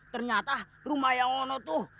ternyata rumah yang wono tuh